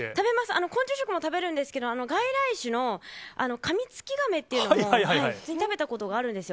昆虫食も食べるんですけど、外来種のカミツキガメっていうのも、普通に食べたことがあるんですよ。